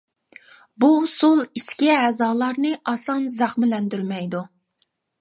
بۇ ئۇسۇل ئىچكى ئەزالارنى ئاسان زەخىملەندۈرمەيدۇ.